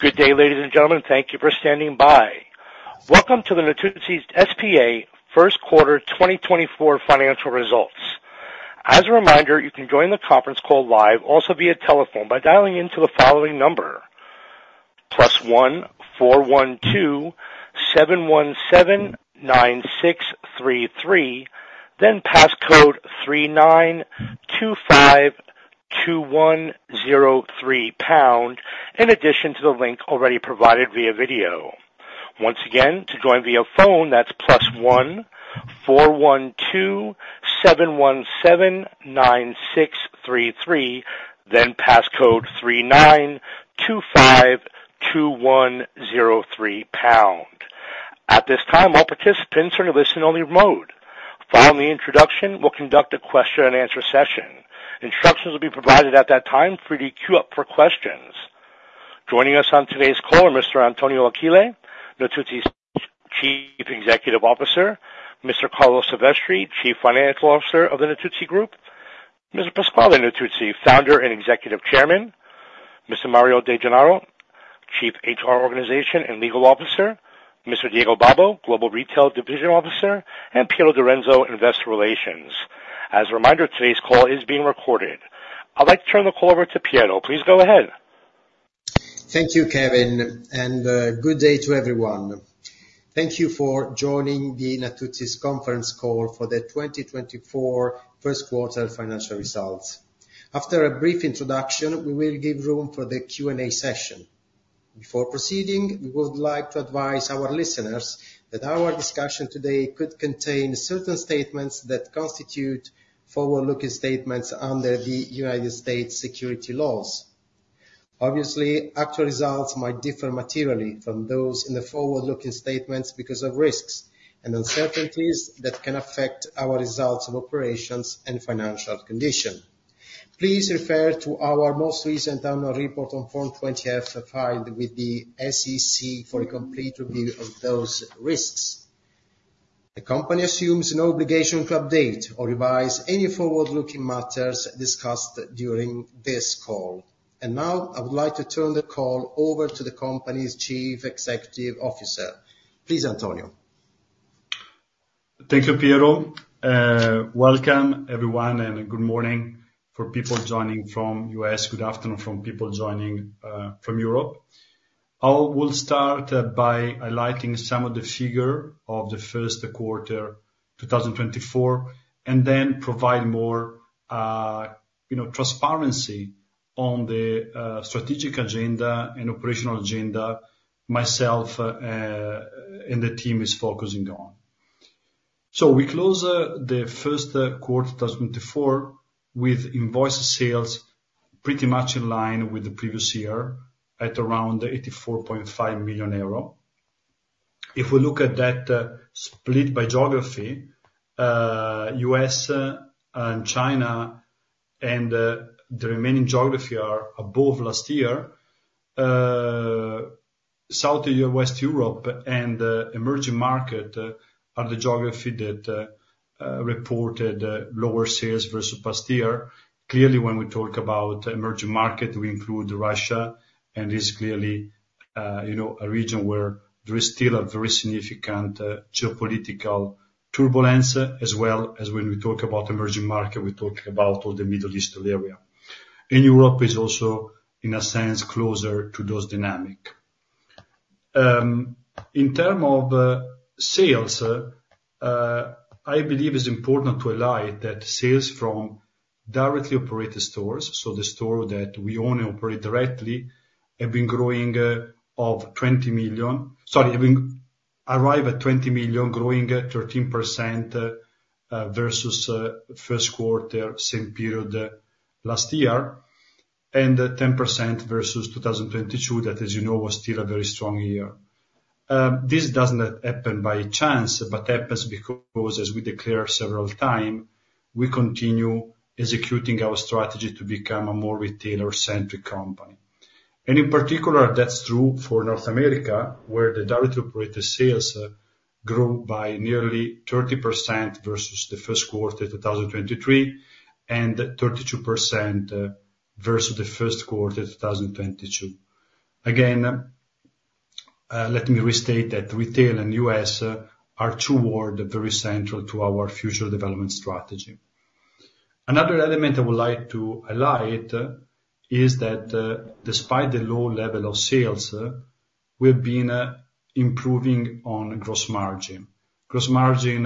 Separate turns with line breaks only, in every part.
Good day, ladies and gentlemen. Thank you for standing by. Welcome to the Natuzzi S.p.A. first quarter 2024 financial results. As a reminder, you can join the conference call live, also via telephone, by dialing into the following number: +1 412-717-9633, then passcode 39252103#, in addition to the link already provided via video. Once again, to join via phone, that's +1 412-717-9633, then passcode 39252103#. At this time, all participants are to listen only remotely. Following the introduction, we'll conduct a question-and-answer session. Instructions will be provided at that time. Please queue up for questions. Joining us on today's call are Mr. Antonio Achille, Natuzzi's Chief Executive Officer; Mr. Carlo Silvestri, Chief Financial Officer of the Natuzzi Group; Mr. Pasquale Natuzzi, Founder and Executive Chairman; Mr. Mario De Gennaro, Chief HR, Organization and Legal Officer; Mr. Diego Babbo, Global Retail Division Officer; and Piero Direnzo, Investor Relations. As a reminder, today's call is being recorded. I'd like to turn the call over to Piero. Please go ahead.
Thank you, Kevin, and good day to everyone. Thank you for joining the Natuzzi's conference call for the 2024 first quarter financial results. After a brief introduction, we will give room for the Q&A session. Before proceeding, we would like to advise our listeners that our discussion today could contain certain statements that constitute forward-looking statements under the United States securities laws. Obviously, actual results might differ materially from those in the forward-looking statements because of risks and uncertainties that can affect our results of operations and financial condition. Please refer to our most recent annual report on Form 20-F filed with the SEC for a complete review of those risks. The company assumes no obligation to update or revise any forward-looking matters discussed during this call. And now, I would like to turn the call over to the company's Chief Executive Officer. Please, Antonio.
Thank you, Piero. Welcome, everyone, and good morning for people joining from the U.S. Good afternoon from people joining from Europe. I will start by highlighting some of the figures of the first quarter 2024 and then provide more transparency on the strategic agenda and operational agenda myself and the team is focusing on. We close the first quarter 2024 with invoice sales pretty much in line with the previous year at around 84.5 million euro. If we look at that split by geography, the U.S. and China and the remaining geography are above last year. South and West Europe and emerging markets are the geographies that reported lower sales versus past year. Clearly, when we talk about emerging markets, we include Russia, and this is clearly a region where there is still a very significant geopolitical turbulence, as well as when we talk about emerging markets, we talk about all the Middle Eastern area. Europe is also, in a sense, closer to those dynamics. In terms of sales, I believe it's important to highlight that sales from directly operated stores, so the store that we own and operate directly, have been growing of 20 million—sorry, have arrived at 20 million, growing 13% versus first quarter, same period last year, and 10% versus 2022, that, as you know, was still a very strong year. This doesn't happen by chance, but happens because, as we declared several times, we continue executing our strategy to become a more retailer-centric company. In particular, that's true for North America, where the directly operated sales grew by nearly 30% versus the first quarter 2023 and 32% versus the first quarter 2022. Again, let me restate that retail and US are two worlds very central to our future development strategy. Another element I would like to highlight is that despite the low level of sales, we have been improving on gross margin. Gross margin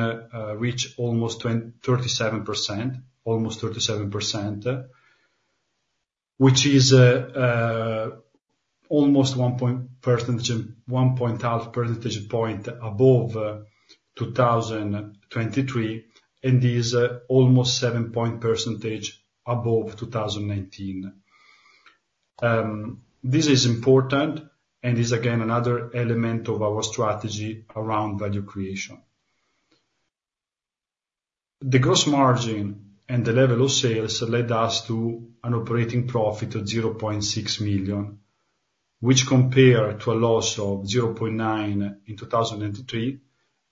reached almost 37%, almost 37%, which is almost 1.5 percentage point above 2023, and is almost 7% above 2019. This is important and is, again, another element of our strategy around value creation. The gross margin and the level of sales led us to an operating profit of 0.6 million, which compared to a loss of 0.9 million in 2023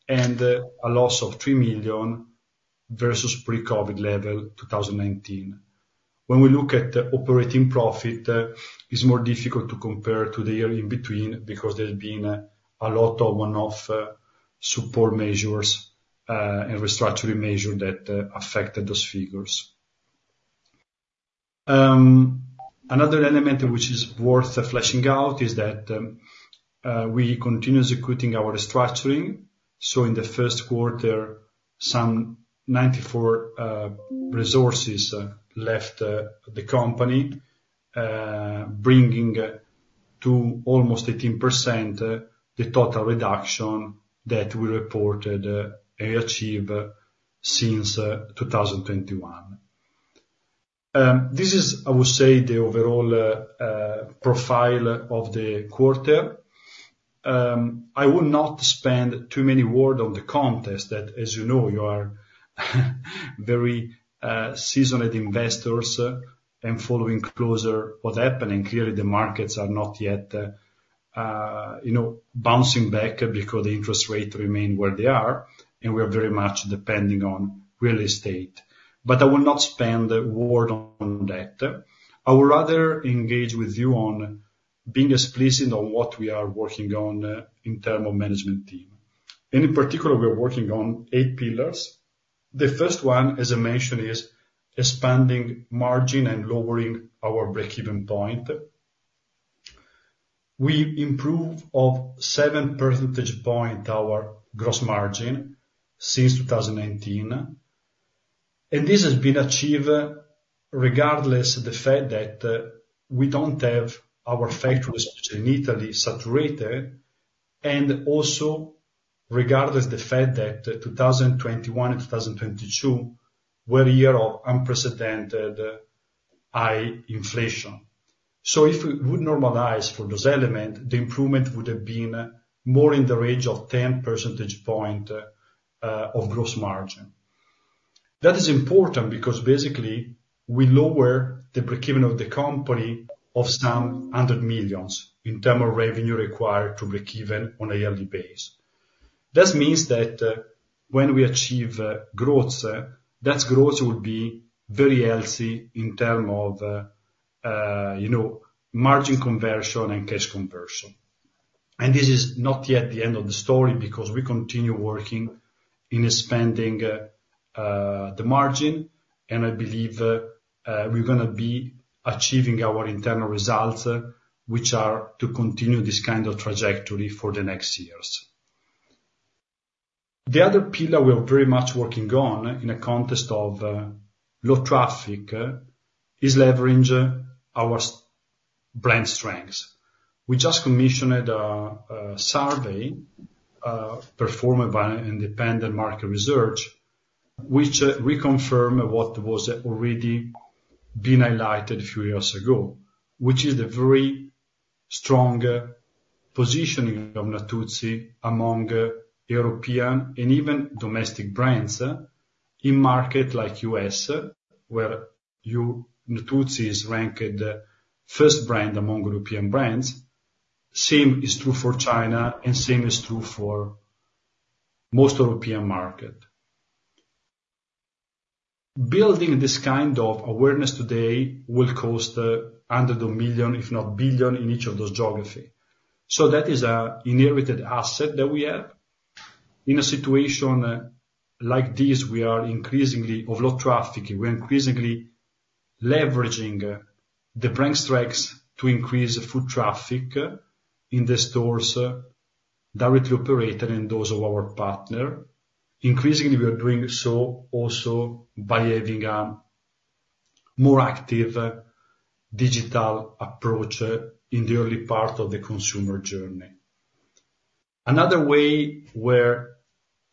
and a loss of 3 million versus pre-COVID level 2019. When we look at operating profit, it's more difficult to compare to the year in between because there's been a lot of one-off support measures and restructuring measures that affected those figures. Another element which is worth fleshing out is that we continue executing our restructuring. So in the first quarter, some 94 resources left the company, bringing to almost 18% the total reduction that we reported and achieved since 2021. This is, I would say, the overall profile of the quarter. I will not spend too many words on the context that, as you know, you are very seasoned investors and following closer what's happening. Clearly, the markets are not yet bouncing back because the interest rates remain where they are, and we are very much depending on real estate. But I will not spend words on that. I would rather engage with you on being as pleasing on what we are working on in terms of management team. And in particular, we are working on eight pillars. The first one, as I mentioned, is expanding margin and lowering our break-even point. We improved of 7 percentage points our gross margin since 2019. And this has been achieved regardless of the fact that we don't have our factories, especially in Italy, saturated. And also, regardless of the fact that 2021 and 2022 were a year of unprecedented high inflation. So if we would normalize for those elements, the improvement would have been more in the range of 10 percentage points of gross margin. That is important because, basically, we lower the break-even of the company of some 100 million in terms of revenue required to break-even on a yearly basis. That means that when we achieve growth, that growth will be very healthy in terms of margin conversion and cash conversion. This is not yet the end of the story because we continue working in spending the margin, and I believe we're going to be achieving our internal results, which are to continue this kind of trajectory for the next years. The other pillar we are very much working on in the context of low traffic is leveraging our brand strengths. We just commissioned a survey performed by an independent market research, which reconfirmed what was already been highlighted a few years ago, which is the very strong positioning of Natuzzi among European and even domestic brands in markets like the U.S., where Natuzzi is ranked first brand among European brands. Same is true for China, and same is true for most European markets. Building this kind of awareness today will cost under a million, if not a billion, in each of those geographies. So that is an inherited asset that we have. In a situation like this, we are increasingly of low traffic. We are increasingly leveraging the brand strengths to increase foot traffic in the stores directly operated and those of our partners. Increasingly, we are doing so also by having a more active digital approach in the early part of the consumer journey. Another way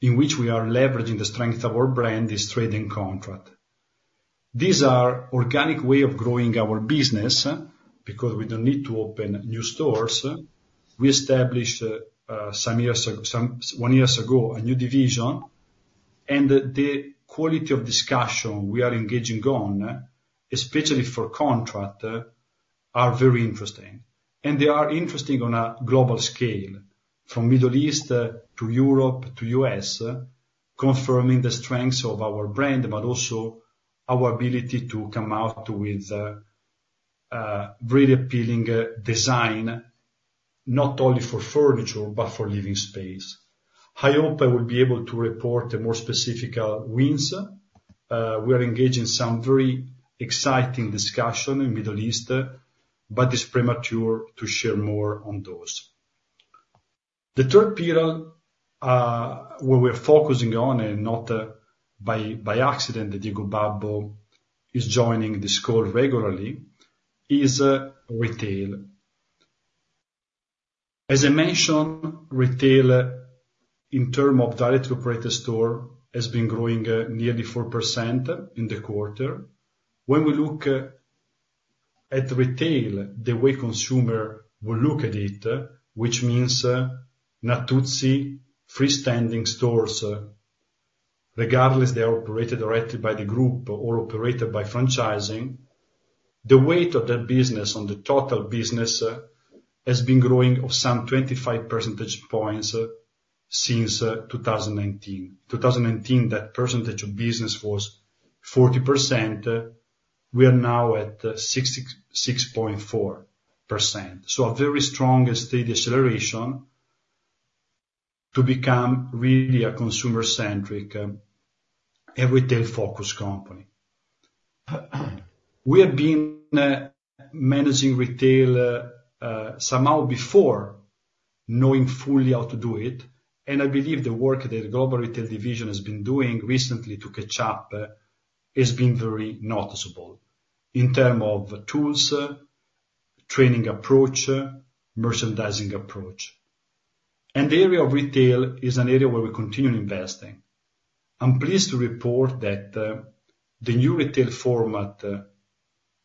in which we are leveraging the strength of our brand is trade and contract. These are an organic way of growing our business because we don't need to open new stores. We established one year ago a new division, and the quality of discussion we are engaging on, especially for contract, is very interesting. They are interesting on a global scale, from the Middle East to Europe to the U.S., confirming the strengths of our brand, but also our ability to come out with a very appealing design, not only for furniture but for living space. I hope I will be able to report more specific wins. We are engaging in some very exciting discussions in the Middle East, but it's premature to share more on those. The third pillar where we are focusing on, and not by accident, Diego Babbo is joining this call regularly, is retail. As I mentioned, retail, in terms of directly operated stores, has been growing nearly 4% in the quarter. When we look at retail, the way consumers will look at it, which means Natuzzi, freestanding stores, regardless of if they are operated directly by the group or operated by franchising, the weight of that business on the total business has been growing of some 25 percentage points since 2019. In 2019, that percentage of business was 40%. We are now at 66.4%. A very strong steady acceleration to become really a consumer-centric and retail-focused company. We have been managing retail somehow before knowing fully how to do it. I believe the work that the global retail division has been doing recently to catch up has been very noticeable in terms of tools, training approach, merchandising approach. The area of retail is an area where we continue investing. I'm pleased to report that the new retail format,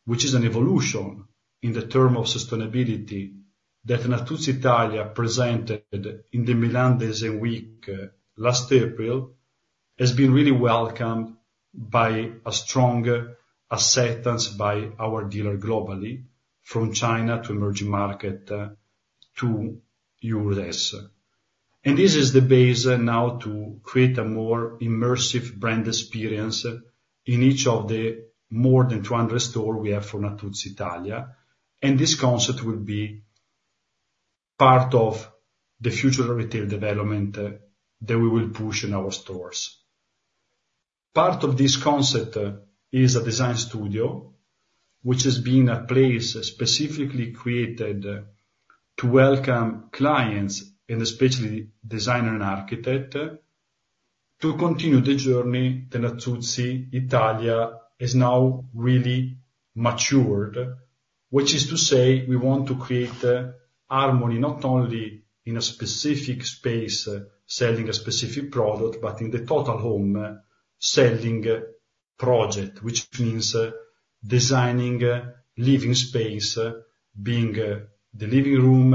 which is an evolution in the term of sustainability that Natuzzi Italia presented in the Milan Design Week last April, has been really welcomed by a strong acceptance by our dealers globally, from China to emerging markets to the U.S. This is the base now to create a more immersive brand experience in each of the more than 200 stores we have for Natuzzi Italia. This concept will be part of the future retail development that we will push in our stores. Part of this concept is a design studio, which has been a place specifically created to welcome clients, and especially designers and architects, to continue the journey that Natuzzi Italia has now really matured, which is to say we want to create harmony not only in a specific space selling a specific product, but in the total home selling project, which means designing living space, being the living room,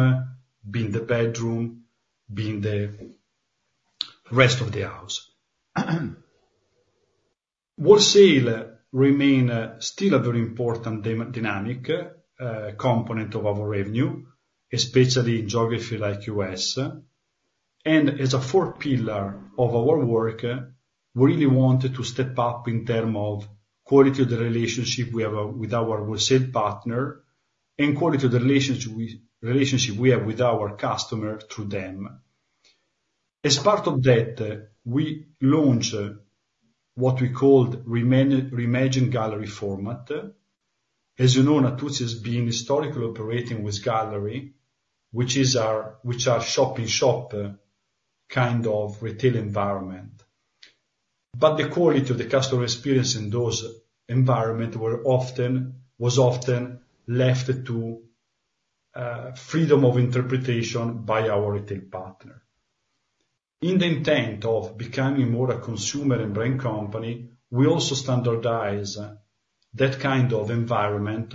being the bedroom, being the rest of the house. Wholesale remains still a very important dynamic component of our revenue, especially in geographies like the U.S. And as a fourth pillar of our work, we really wanted to step up in terms of quality of the relationship we have with our wholesale partner and quality of the relationship we have with our customers through them. As part of that, we launched what we called Reimagine Gallery format. As you know, Natuzzi has been historically operating with gallery, which are shop-in-shop kind of retail environments. But the quality of the customer experience in those environments was often left to freedom of interpretation by our retail partner. In the intent of becoming more a consumer and brand company, we also standardized that kind of environment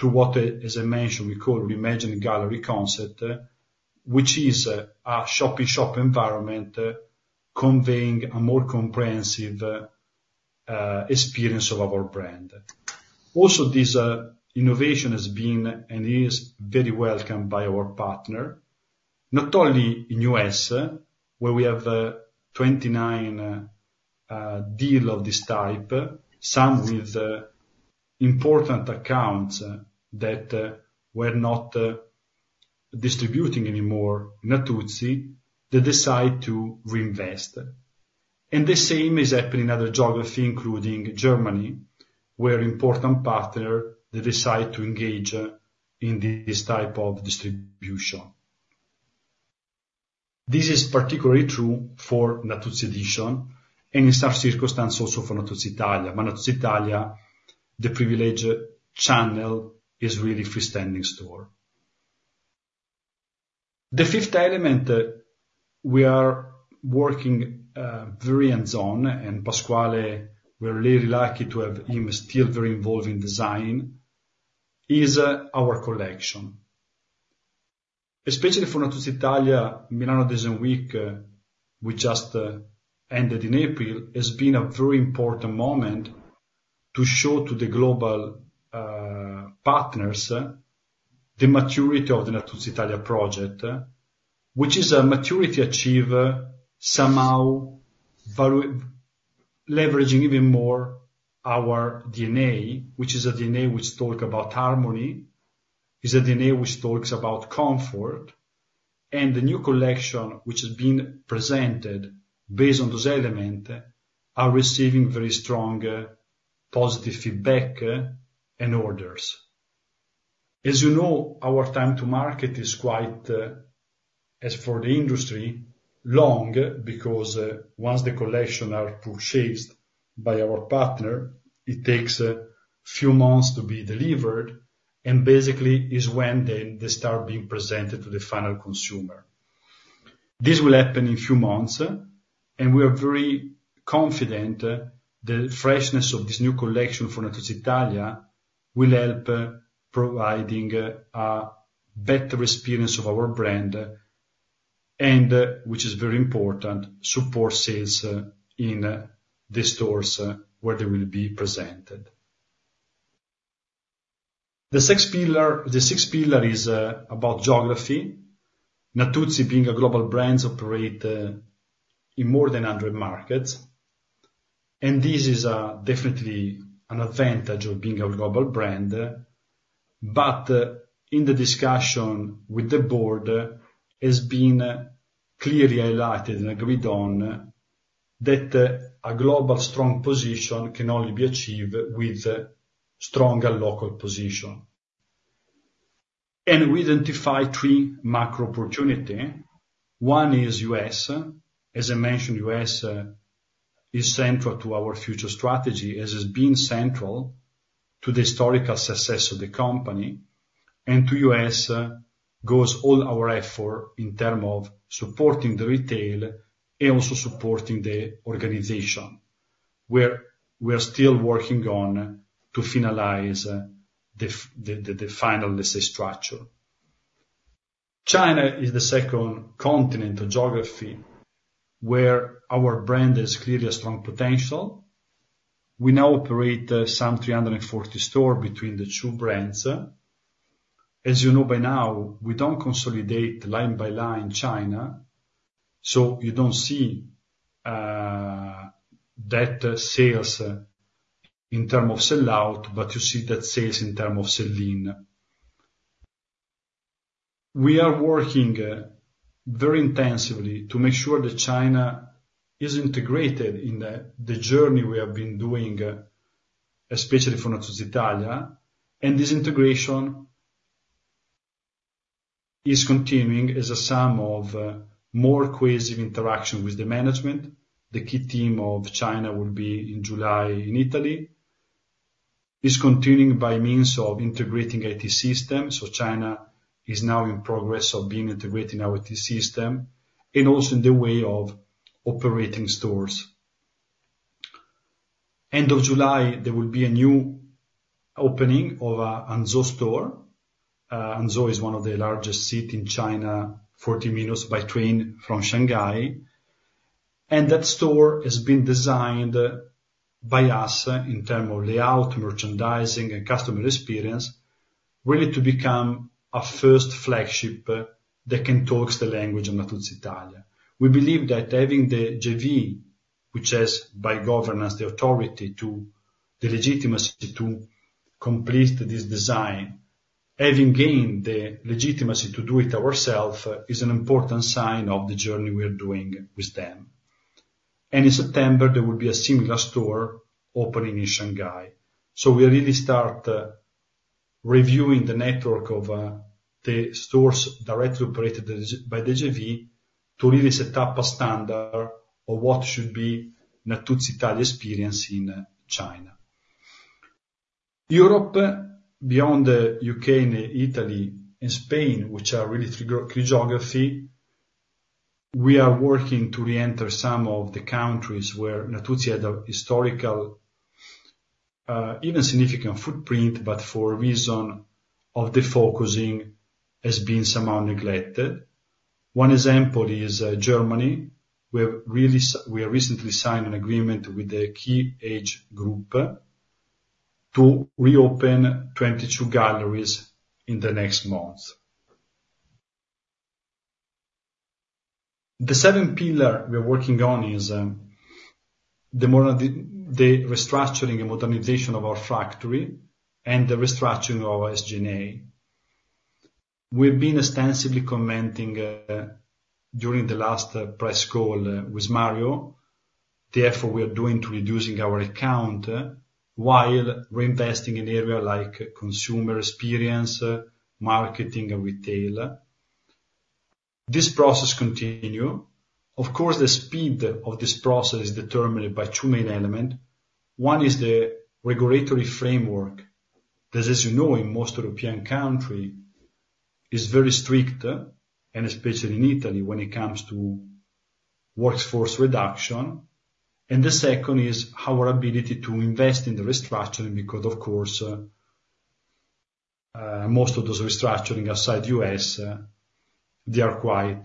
to what, as I mentioned, we call Reimagine Gallery concept, which is a shop-in-shop environment conveying a more comprehensive experience of our brand. Also, this innovation has been and is very welcomed by our partner, not only in the U.S., where we have 29 deals of this type, some with important accounts that we're not distributing anymore in Natuzzi, that decide to reinvest. And the same is happening in other geographies, including Germany, where important partners that decide to engage in this type of distribution. This is particularly true for Natuzzi Editions and, in some circumstances, also for Natuzzi Italia. But Natuzzi Italia, the privileged channel, is really a freestanding store. The fifth element we are working very hands-on, and Pasquale was really lucky to have still very involved in design, is our collection. Especially for Natuzzi Italia, the Milan Design Week we just ended in April has been a very important moment to show to the global partners the maturity of the Natuzzi Italia project, which is a maturity achieved somehow leveraging even more our DNA, which is a DNA which talks about harmony, is a DNA which talks about comfort. And the new collection, which has been presented based on those elements, is receiving very strong positive feedback and orders. As you know, our time to market is quite, as for the industry, long because once the collections are purchased by our partner, it takes a few months to be delivered, and basically, it's when they start being presented to the final consumer. This will happen in a few months, and we are very confident that the freshness of this new collection for Natuzzi Italia will help provide a better experience of our brand, and, which is very important, support sales in the stores where they will be presented. The sixth pillar is about geography, Natuzzi, being a global brand, operating in more than 100 markets. And this is definitely an advantage of being a global brand. But in the discussion with the board, it has been clearly highlighted and agreed on that a global strong position can only be achieved with a stronger local position. We identified three macro opportunities. One is the U.S. As I mentioned, the U.S. is central to our future strategy, as it has been central to the historical success of the company. And to the U.S. goes all our effort in terms of supporting the retail and also supporting the organization, where we are still working on to finalize the final, let's say, structure. China is the second continent or geography where our brand has clearly a strong potential. We now operate some 340 stores between the two brands. As you know by now, we don't consolidate line by line in China, so you don't see that sales in terms of sell-out, but you see that sales in terms of sell-in. We are working very intensively to make sure that China is integrated in the journey we have been doing, especially for Natuzzi Italia. This integration is continuing as a sum of more cohesive interaction with the management. The key team of China will be in July in Italy. It's continuing by means of integrating IT systems. So China is now in progress of being integrated in our IT system and also in the way of operating stores. End of July, there will be a new opening of a Hangzhou store. Hangzhou is one of the largest cities in China, 40 minutes by train from Shanghai. That store has been designed by us in terms of layout, merchandising, and customer experience, really to become a first flagship that can talk the language of Natuzzi Italia. We believe that having the Diego, which has by governance the authority to the legitimacy to complete this design, having gained the legitimacy to do it ourselves, is an important sign of the journey we are doing with them. In September, there will be a similar store opening in Shanghai. We really start reviewing the network of the stores directly operated by Diego to really set up a standard of what should be Natuzzi Italia's experience in China. Europe, beyond the UK and Italy and Spain, which are really three geographies, we are working to re-enter some of the countries where Natuzzi had a historical, even significant footprint, but for a reason of defocusing has been somehow neglected. One example is Germany. We have recently signed an agreement with the KUKA AG to reopen 22 galleries in the next month. The seventh pillar we are working on is the restructuring and modernization of our factory and the restructuring of our SG&A. We have been extensively commenting during the last press call with Mario on the effort we are doing to reduce our headcount while reinvesting in areas like consumer experience, marketing, and retail. This process continues. Of course, the speed of this process is determined by two main elements. One is the regulatory framework that, as you know, in most European countries is very strict, and especially in Italy when it comes to workforce reduction. The second is our ability to invest in the restructuring because, of course, most of those restructurings outside the U.S., they are quite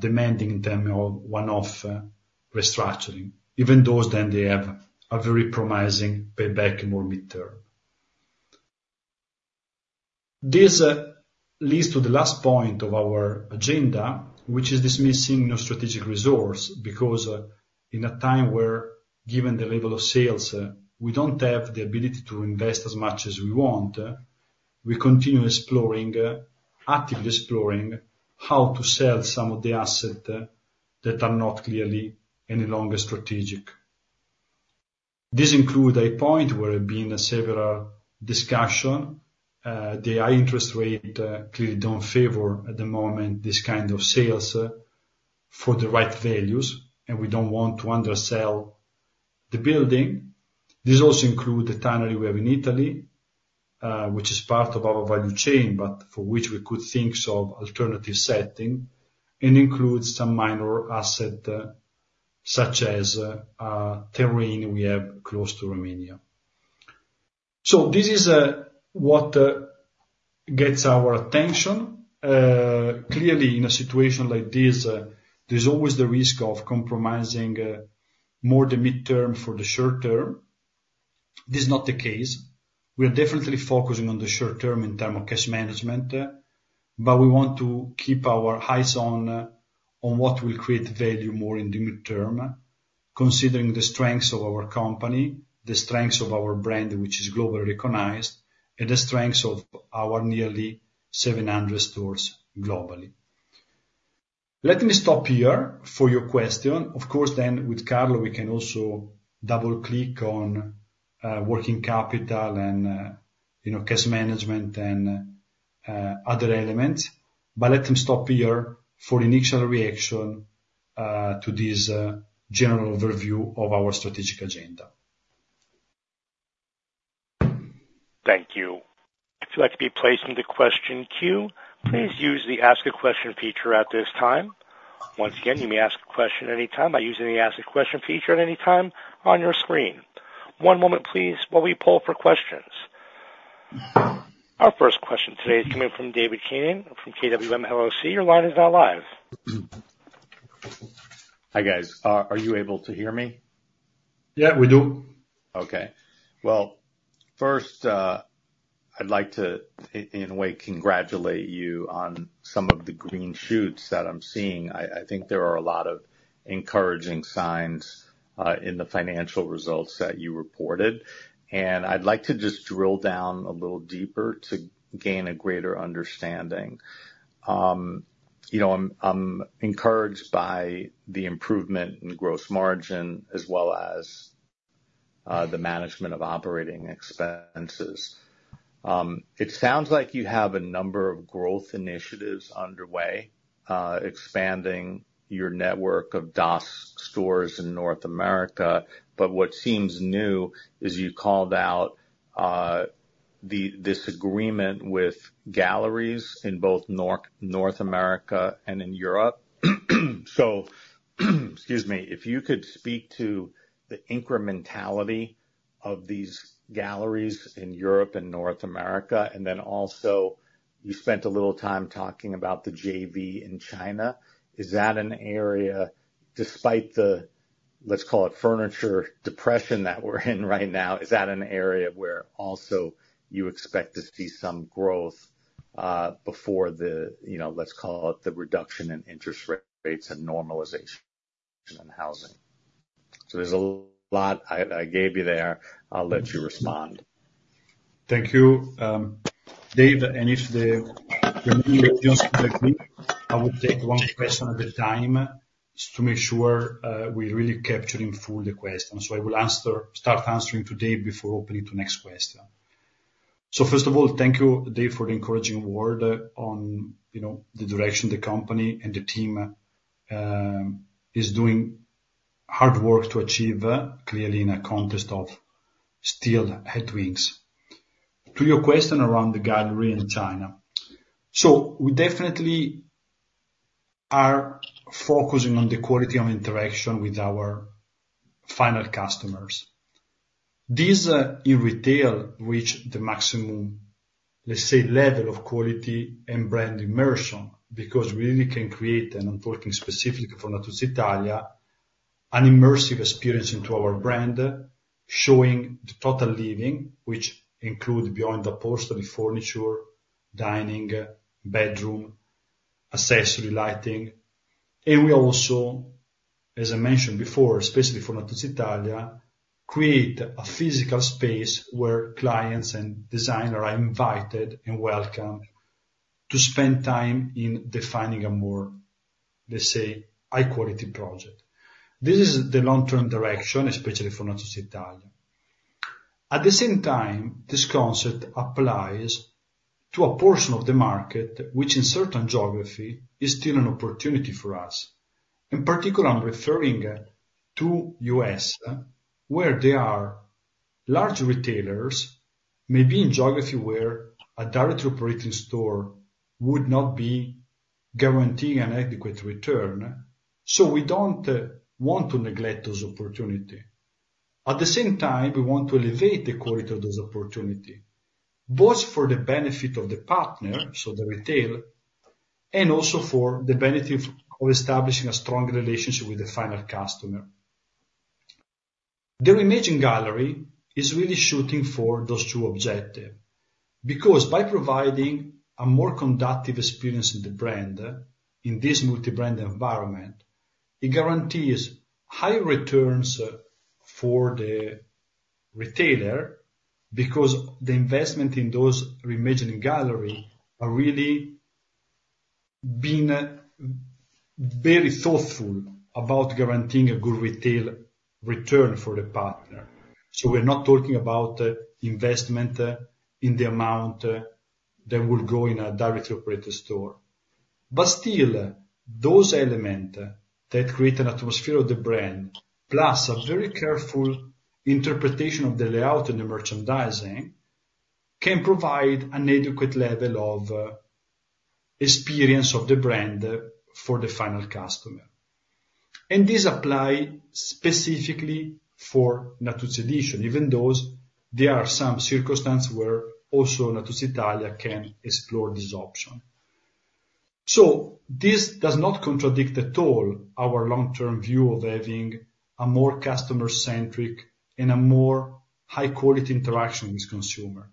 demanding in terms of one-off restructuring, even though then they have a very promising payback in the long term. This leads to the last point of our agenda, which is disposing of non-strategic resources because in a time where, given the level of sales, we don't have the ability to invest as much as we want, we continue exploring, actively exploring how to sell some of the assets that are not clearly any longer strategic. This includes a point where there have been several discussions. The high interest rate clearly doesn't favor at the moment this kind of sales for the right values, and we don't want to undersell the building. This also includes the tannery we have in Italy, which is part of our value chain, but for which we could think of alternative setting, and includes some minor assets such as terrain we have close to Romania. So this is what gets our attention. Clearly, in a situation like this, there's always the risk of compromising more the midterm for the short term. This is not the case. We are definitely focusing on the short term in terms of cash management, but we want to keep our eyes on what will create value more in the midterm, considering the strengths of our company, the strengths of our brand, which is globally recognized, and the strengths of our nearly 700 stores globally. Let me stop here for your question. Of course, then with Carlo, we can also double-click on working capital and cash management and other elements. But let me stop here for an initial reaction to this general overview of our strategic agenda. Thank you. If you'd like to be placed in the question queue, please use the ask a question feature at this time. Once again, you may ask a question at any time by using the ask a question feature at any time on your screen. One moment, please, while we pull up our questions. Our first question today is coming from David Keenan from KWM LLC. Your line is now live. Hi, guys. Are you able to hear me? Yeah, we do. Okay. Well, first, I'd like to, in a way, congratulate you on some of the green shoots that I'm seeing. I think there are a lot of encouraging signs in the financial results that you reported. And I'd like to just drill down a little deeper to gain a greater understanding. I'm encouraged by the improvement in gross margin as well as the management of operating expenses. It sounds like you have a number of growth initiatives underway, expanding your network of DOS stores in North America. But what seems new is you called out this agreement with galleries in both North America and in Europe. So excuse me, if you could speak to the incrementality of these galleries in Europe and North America, and then also you spent a little time talking about the JV in China, is that an area, despite the, let's call it, furniture depression that we're in right now, is that an area where also you expect to see some growth before the, let's call it, the reduction in interest rates and normalization in housing? So there's a lot I gave you there. I'll let you respond. Thank you. Dave, and if the question is just complete, I will take one question at a time to make sure we're really fully capturing the questions. So I will start answering today before opening to the next question. First of all, thank you, Dave, for the encouraging word on the direction the company and the team is doing hard work to achieve, clearly in a context of still headwinds. To your question around the gallery in China, so we definitely are focusing on the quality of interaction with our final customers. These in retail reach the maximum, let's say, level of quality and brand immersion because we really can create, and I'm talking specifically for Natuzzi Italia, an immersive experience into our brand showing the total living, which includes beyond the upholstered furniture, dining, bedroom, accessory lighting. And we also, as I mentioned before, especially for Natuzzi Italia, create a physical space where clients and designers are invited and welcomed to spend time in defining a more, let's say, high-quality project. This is the long-term direction, especially for Natuzzi Italia. At the same time, this concept applies to a portion of the market, which in certain geography is still an opportunity for us. In particular, I'm referring to the U.S., where there are large retailers, maybe in geography where a directly operated store would not be guaranteeing an adequate return. So we don't want to neglect those opportunities. At the same time, we want to elevate the quality of those opportunities, both for the benefit of the partner, so the retail, and also for the benefit of establishing a strong relationship with the final customer. The Reimagine Gallery is really shooting for those two objectives because by providing a more conducive experience in the brand in this multi-brand environment, it guarantees high returns for the retailer because the investment in those Reimagine galleries has really been very thoughtful about guaranteeing a good retail return for the partner. We're not talking about investment in the amount that will go in a directly operated store. Still, those elements that create an atmosphere of the brand, plus a very careful interpretation of the layout and the merchandising, can provide an adequate level of experience of the brand for the final customer. These apply specifically for Natuzzi Editions, even though there are some circumstances where also Natuzzi Italia can explore this option. This does not contradict at all our long-term view of having a more customer-centric and a more high-quality interaction with consumers.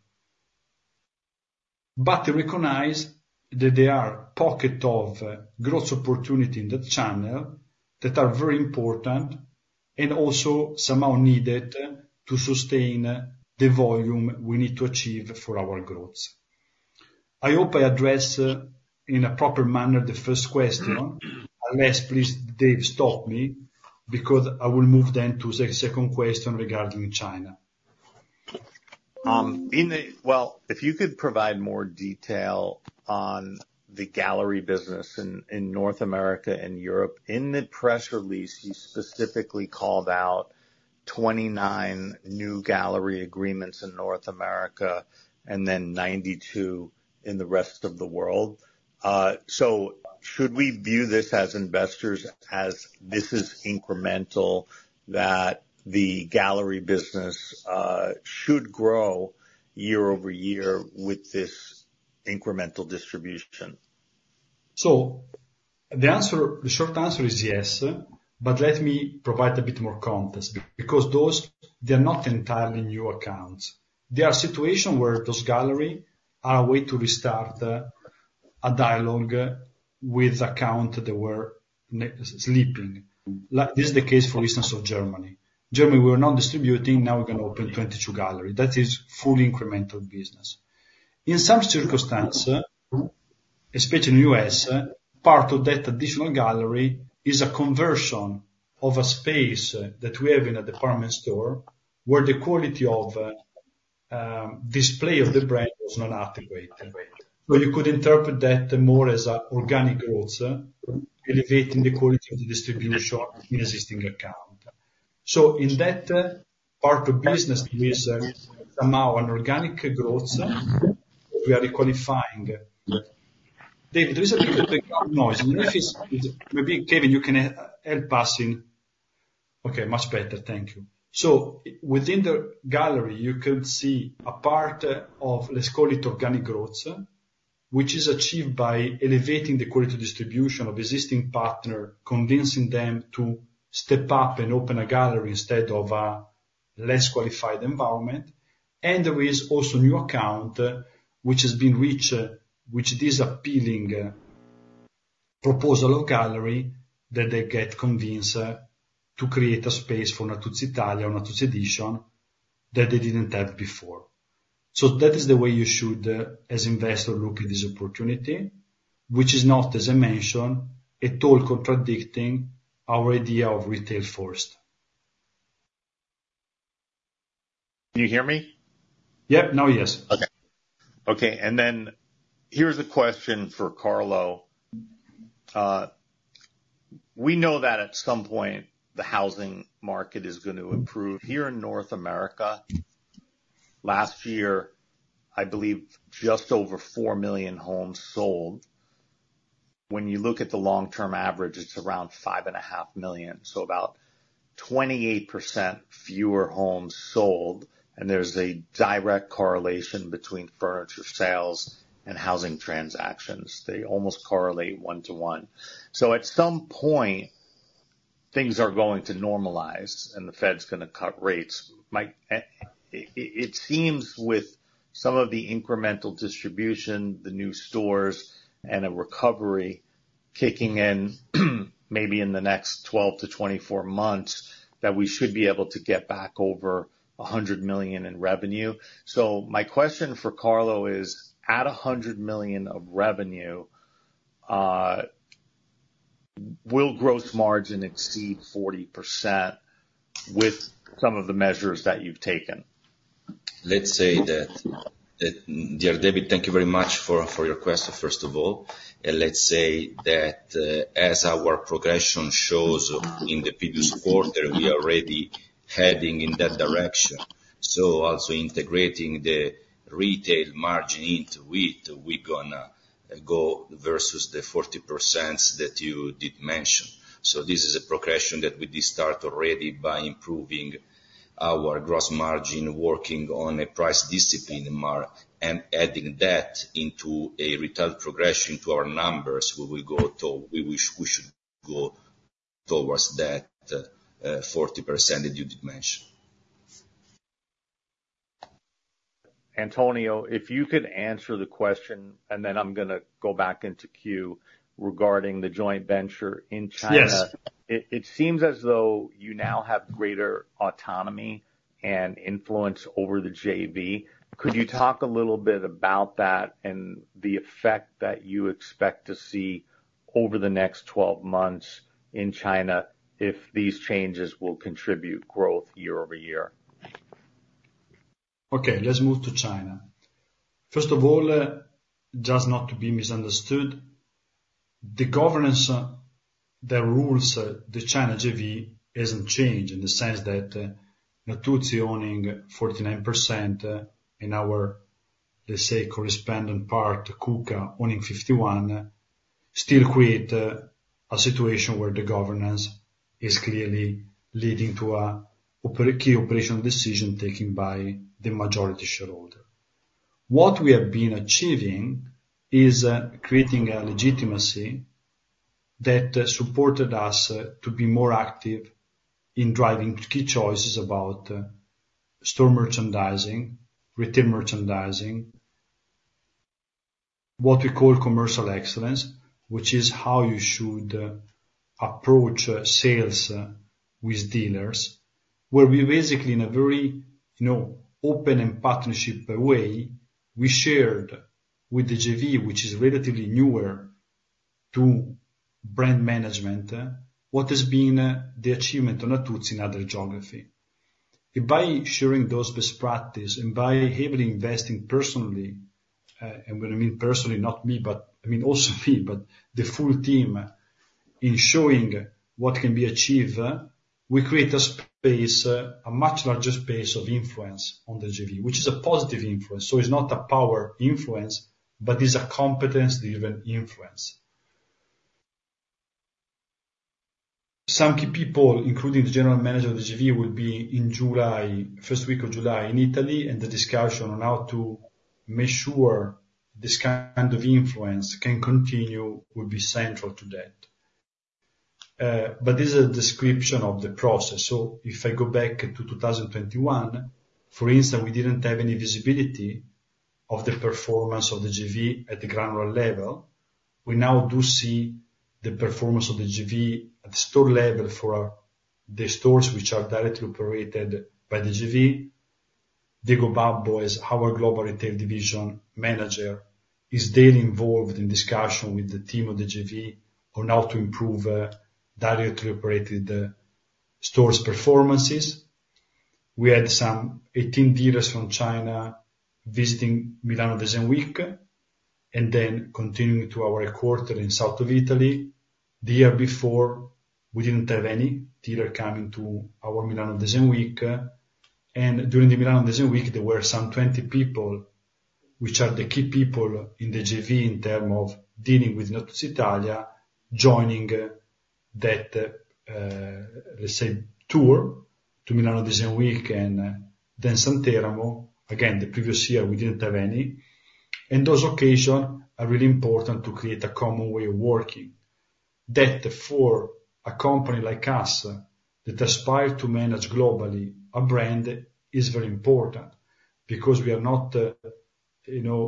To recognize that there are pockets of growth opportunities in the channel that are very important and also somehow needed to sustain the volume we need to achieve for our growth. I hope I addressed in a proper manner the first question. Unless, please, Dave, stop me because I will move then to the second question regarding China. Well, if you could provide more detail on the gallery business in North America and Europe. In the press release, you specifically called out 29 new gallery agreements in North America and then 92 in the rest of the world. So should we view this as investors as this is incremental, that the gallery business should grow year-over-year with this incremental distribution? So the short answer is yes, but let me provide a bit more context because they are not entirely new accounts. There are situations where those galleries are a way to restart a dialogue with accounts that were sleeping. This is the case, for instance, of Germany. Germany, we were not distributing. Now we're going to open 22 galleries. That is fully incremental business. In some circumstances, especially in the U.S., part of that additional gallery is a conversion of a space that we have in a department store where the quality of display of the brand was not adequate. So you could interpret that more as an organic growth, elevating the quality of the distribution in existing accounts. So in that part of business, there is somehow an organic growth we are requalifying. David, there is a little bit of background noise. Maybe Kevin, you can help us in. Okay, much better. Thank you. So within the gallery, you could see a part of, let's call it, organic growth, which is achieved by elevating the quality distribution of existing partners, convincing them to step up and open a gallery instead of a less qualified environment. There is also a new account which has been reached, which is this appealing proposal of gallery that they get convinced to create a space for Natuzzi Italia or Natuzzi Editions that they didn't have before. So that is the way you should, as investors, look at this opportunity, which is not, as I mentioned, at all contradicting our idea of retail first. Can you hear me? Yep. Now yes. Okay. Okay. And then here's a question for Carlo. We know that at some point, the housing market is going to improve. Here in North America, last year, I believe, just over 4 million homes sold. When you look at the long-term average, it's around 5.5 million, so about 28% fewer homes sold. And there's a direct correlation between furniture sales and housing transactions. They almost correlate one-to-one. So at some point, things are going to normalize, and the Fed's going to cut rates. It seems with some of the incremental distribution, the new stores, and a recovery kicking in maybe in the next 12-24 months that we should be able to get back over 100 million in revenue. So my question for Carlo is, at 100 million of revenue, will gross margin exceed 40% with some of the measures that you've taken? Let's say that, Dear David, thank you very much for your question, first of all. And let's say that as our progression shows in the previous quarter, we are already heading in that direction. So also integrating the retail margin into it, we're going to go versus the 40% that you did mention. So this is a progression that we did start already by improving our gross margin, working on a pricing discipline, and adding that into a retail progression to our numbers. We should go towards that 40% that you did mention. Antonio, if you could answer the question, and then I'm going to go back into queue regarding the joint venture in China. It seems as though you now have greater autonomy and influence over the Diego Vierenzo. Could you talk a little bit about that and the effect that you expect to see over the next 12 months in China if these changes will contribute growth year-over-year? Okay. Let's move to China. First of all, it does not be misunderstood. The governance, the rules, the China JV hasn't changed in the sense that Natuzzi owning 49% and our, let's say, correspondent part, KUKA, owning 51%, still create a situation where the governance is clearly leading to a key operational decision taken by the majority shareholder. What we have been achieving is creating a legitimacy that supported us to be more active in driving key choices about store merchandising, retail merchandising, what we call commercial excellence, which is how you should approach sales with dealers, where we basically, in a very open and partnership way, we shared with the JV, which is relatively newer to brand management, what has been the achievement of Natuzzi in other geographies. By sharing those best practices and by heavily investing personally, and when I mean personally, not me, but I mean also me, but the full team in showing what can be achieved, we create a space, a much larger space of influence on the Diego Vierenzo, which is a positive influence. So it's not a power influence, but it's a competence-driven influence. Some key people, including the general manager of the Diego Vierenzo, will be in July, first week of July in Italy, and the discussion on how to make sure this kind of influence can continue will be central to that. But this is a description of the process. So if I go back to 2021, for instance, we didn't have any visibility of the performance of the Diego Vierenzo. At the granular level, we now do see the performance of the Diego Vierenzo. At the store level for the stores which are directly operated by the division, Diego Babbo, as our global retail division manager, is daily involved in discussion with the team of the division. On how to improve directly operated stores' performances. We had some 18 dealers from China visiting Milan Design Week and then continuing to our quarter in south of Italy. The year before, we didn't have any dealer coming to our Milan Design Week. And during the Milan Design Week, there were some 20 people, which are the key people in the division, in terms of dealing with Natuzzi Italia, joining that, let's say, tour to Milan Design Week and then Santeramo. Again, the previous year, we didn't have any. And those occasions are really important to create a common way of working. That for a company like us that aspires to manage globally a brand is very important because we are not a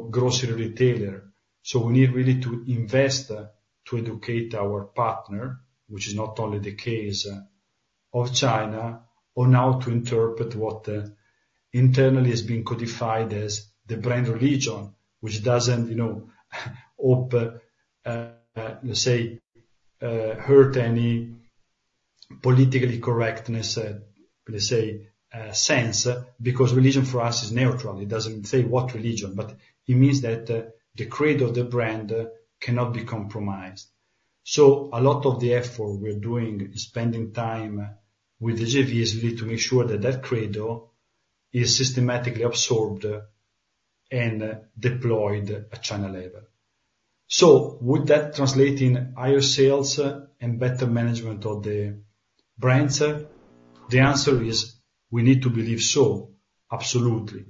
grocery retailer. So we need really to invest to educate our partner, which is not only the case of China, on how to interpret what internally has been codified as the brand religion, which doesn't hope, let's say, hurt any political correctness, let's say, sense because religion for us is neutral. It doesn't say what religion, but it means that the credo of the brand cannot be compromised. So a lot of the effort we're doing is spending time with Diego, Piero Di Renzo, really, to make sure that that credo is systematically absorbed and deployed at China level. So would that translate in higher sales and better management of the brands? The answer is we need to believe so, absolutely.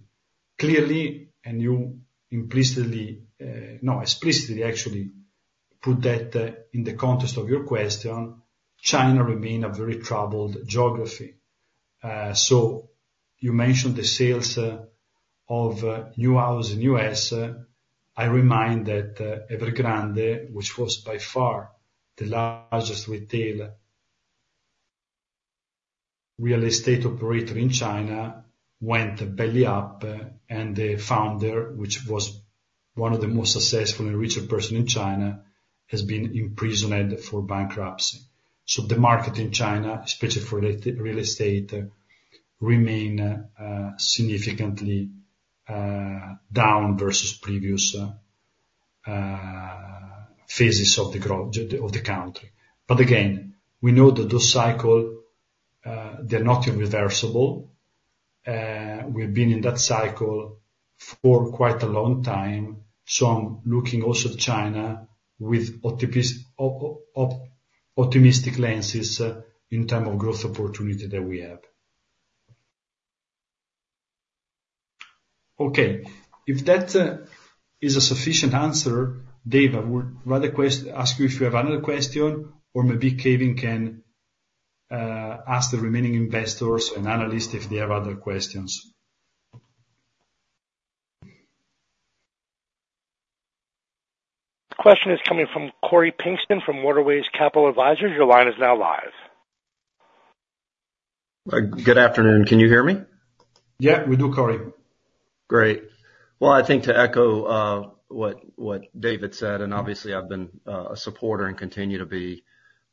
Clearly, and you implicitly, no, explicitly, actually, put that in the context of your question, China remains a very troubled geography. So you mentioned the sales of new houses in the U.S. I remind that Evergrande, which was by far the largest retail real estate operator in China, went belly up, and the founder, which was one of the most successful and richest persons in China, has been imprisoned for bankruptcy. So the market in China, especially for real estate, remains significantly down versus previous phases of the country. But again, we know that those cycles, they're not irreversible. We've been in that cycle for quite a long time. So I'm looking also at China with optimistic lenses in terms of growth opportunity that we have. Okay. If that is a sufficient answer, David, I would rather ask you if you have another question, or maybe Kevin can ask the remaining investors and analysts if they have other questions. The question is coming from Cory Pinkston from Waterway Capital Advisors. Your line is now live. Good afternoon. Can you hear me? Yeah, we do, Cory. Great. Well, I think to echo what David said, and obviously, I've been a supporter and continue to be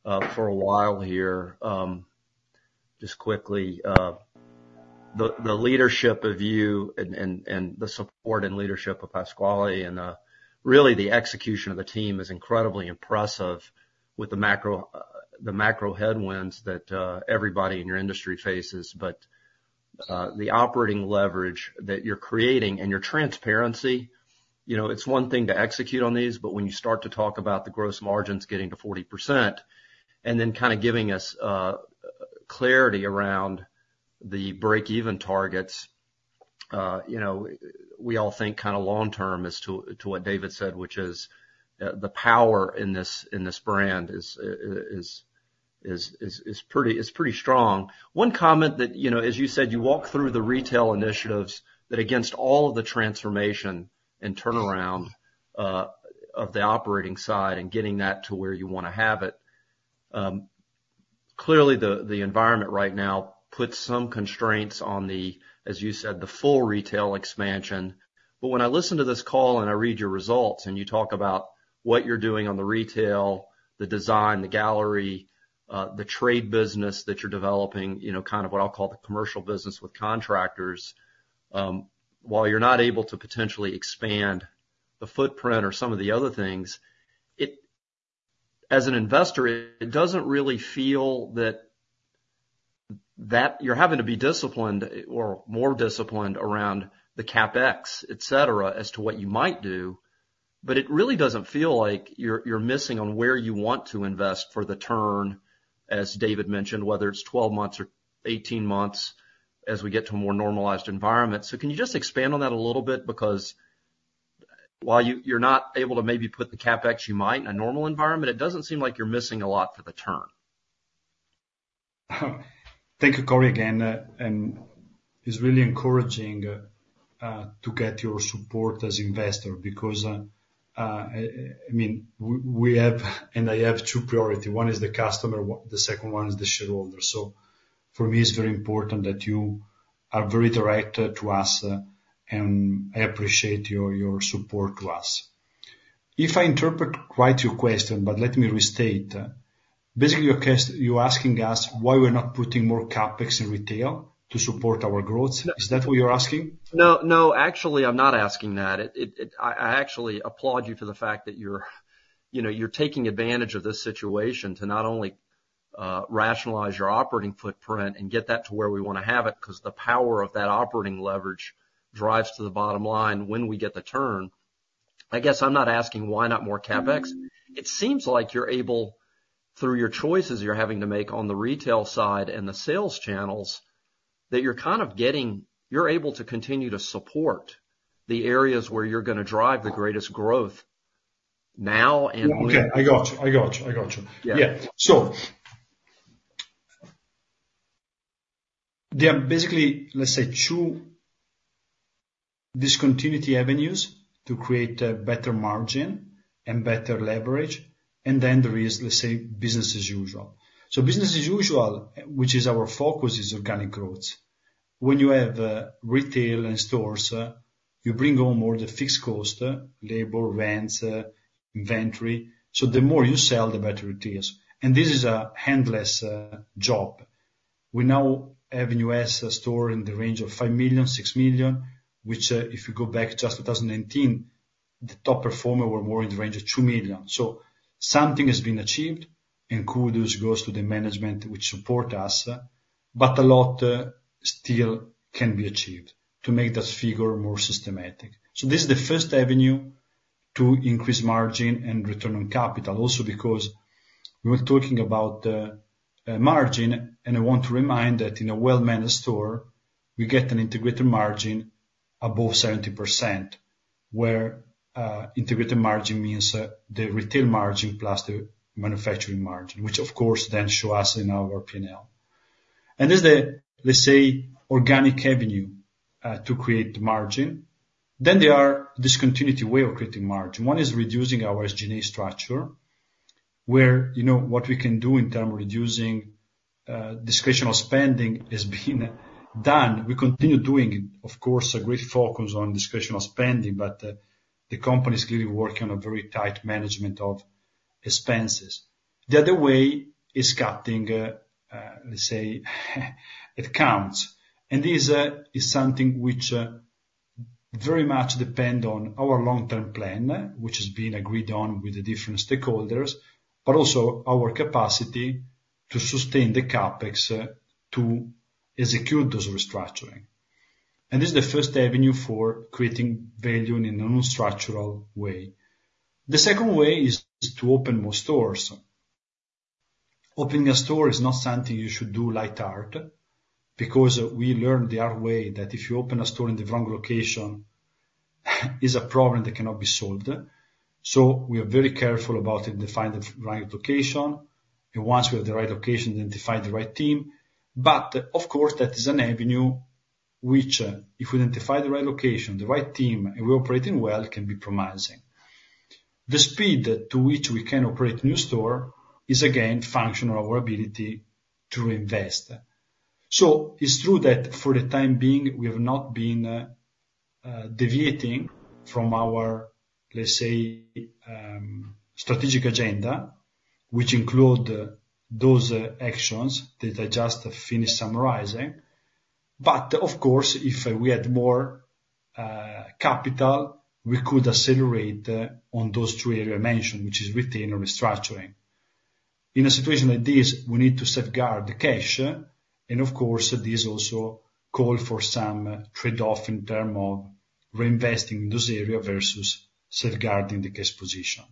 for a while here. Just quickly, the leadership of you and the support and leadership of Pasquale and really the execution of the team is incredibly impressive with the macro headwinds that everybody in your industry faces. But the operating leverage that you're creating and your transparency, it's one thing to execute on these, but when you start to talk about the gross margins getting to 40% and then kind of giving us clarity around the break-even targets, we all think kind of long-term as to what David said, which is the power in this brand is pretty strong. One comment that, as you said, you walk through the retail initiatives that against all of the transformation and turnaround of the operating side and getting that to where you want to have it. Clearly, the environment right now puts some constraints on the, as you said, the full retail expansion. But when I listen to this call and I read your results and you talk about what you're doing on the retail, the design, the gallery, the trade business that you're developing, kind of what I'll call the commercial business with contractors, while you're not able to potentially expand the footprint or some of the other things, as an investor, it doesn't really feel that you're having to be disciplined or more disciplined around the CapEx, etc., as to what you might do. But it really doesn't feel like you're missing on where you want to invest for the turn, as David mentioned, whether it's 12 months or 18 months as we get to a more normalized environment. So can you just expand on that a little bit? Because while you're not able to maybe put the CapEx you might in a normal environment, it doesn't seem like you're missing a lot for the turn. Thank you, Cory, again. It's really encouraging to get your support as an investor because, I mean, we have and I have two priorities. One is the customer. The second one is the shareholder. So for me, it's very important that you are very direct to us, and I appreciate your support to us. If I interpret right your question, but let me restate. Basically, you're asking us why we're not putting more CapEx in retail to support our growth. Is that what you're asking? No, no. Actually, I'm not asking that. I actually applaud you for the fact that you're taking advantage of this situation to not only rationalize your operating footprint and get that to where we want to have it because the power of that operating leverage drives to the bottom line when we get the turn. I guess I'm not asking why not more CapEx. It seems like you're able, through your choices you're having to make on the retail side and the sales channels, that you're kind of getting you're able to continue to support the areas where you're going to drive the greatest growth now and moving forward. Okay. I got you. I got you. I got you. Yeah. So there are basically, let's say, two discontinuity avenues to create better margin and better leverage. And then there is, let's say, business as usual. So business as usual, which is our focus, is organic growth. When you have retail and stores, you bring home all the fixed costs, labor, rents, inventory. So the more you sell, the better it is. And this is a thankless job. We now have in the U.S. a store in the range of 5 million, 6 million, which if you go back just 2019, the top performers were more in the range of 2 million. So something has been achieved, and kudos goes to the management which supports us. But a lot still can be achieved to make that figure more systematic. So this is the first avenue to increase margin and return on capital also because we were talking about margin, and I want to remind that in a well-managed store, we get an integrated margin above 70%, where integrated margin means the retail margin plus the manufacturing margin, which, of course, then shows us in our P&L. This is the, let's say, organic avenue to create margin. Then there are discontinuous ways of creating margin. One is reducing our SG&A structure, where what we can do in terms of reducing discretionary spending has been done. We continue doing, of course, a great focus on discretionary spending, but the company is clearly working on a very tight management of expenses. The other way is cutting, let's say, accounts. And this is something which very much depends on our long-term plan, which has been agreed on with the different stakeholders, but also our capacity to sustain the CapEx to execute those restructuring. And this is the first avenue for creating value in a non-structural way. The second way is to open more stores. Opening a store is not something you should do lightheartedly because we learned the hard way that if you open a store in the wrong location, it's a problem that cannot be solved. So we are very careful about identifying the right location. Once we have the right location, identify the right team. But of course, that is an avenue which, if we identify the right location, the right team, and we're operating well, can be promising. The speed to which we can operate a new store is, again, functional of our ability to reinvest. So it's true that for the time being, we have not been deviating from our, let's say, strategic agenda, which includes those actions that I just finished summarizing. But of course, if we had more capital, we could accelerate on those two areas I mentioned, which are retail and restructuring. In a situation like this, we need to safeguard the cash. And of course, this also calls for some trade-off in terms of reinvesting in those areas versus safeguarding the cash position.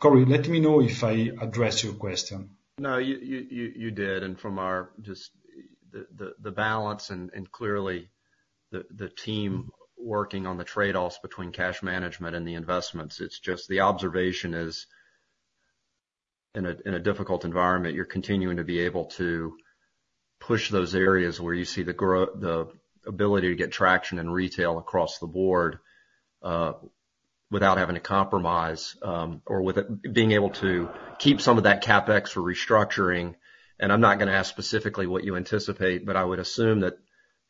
Cory, let me know if I addressed your question. No, you did. And from just the balance and clearly the team working on the trade-offs between cash management and the investments, it's just the observation is in a difficult environment, you're continuing to be able to push those areas where you see the ability to get traction in retail across the board without having to compromise or being able to keep some of that CapEx for restructuring. And I'm not going to ask specifically what you anticipate, but I would assume that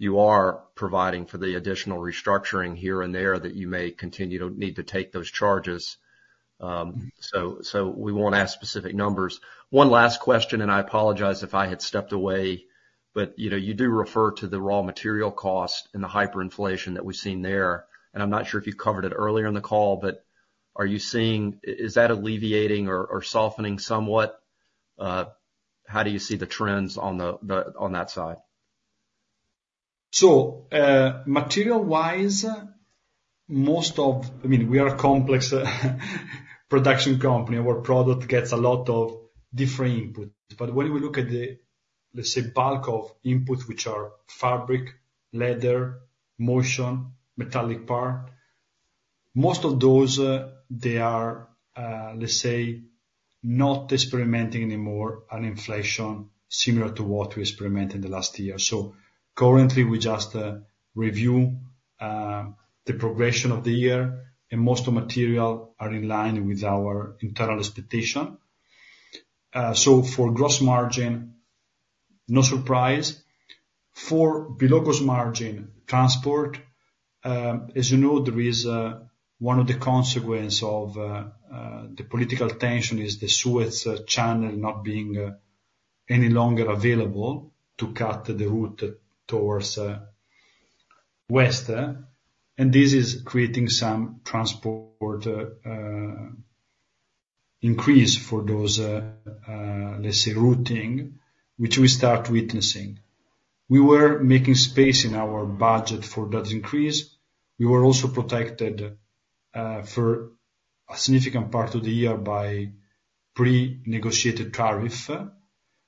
you are providing for the additional restructuring here and there that you may continue to need to take those charges. So we won't ask specific numbers. One last question, and I apologize if I had stepped away, but you do refer to the raw material cost and the hyperinflation that we've seen there. And I'm not sure if you covered it earlier in the call, but are you seeing is that alleviating or softening somewhat? How do you see the trends on that side? So material-wise, most of, I mean, we are a complex production company. Our product gets a lot of different inputs. But when we look at the, let's say, bulk of inputs, which are fabric, leather, motion, metallic part, most of those, they are, let's say, not experimenting anymore on inflation similar to what we experimented in the last year. So currently, we just review the progression of the year, and most of the material are in line with our internal expectation. So for gross margin, no surprise. For below-gross margin transport, as you know, there is one of the consequences of the political tension is the Suez Canal not being any longer available to cut the route towards the west. And this is creating some transport increase for those, let's say, routing, which we start witnessing. We were making space in our budget for that increase. We were also protected for a significant part of the year by pre-negotiated tariff.